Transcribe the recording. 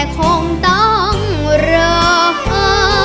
อ่า